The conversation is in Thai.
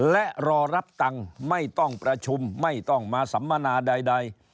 และรอรับตังค์ไม่ต้องประชุมไม่ต้องมาสัมมนาใด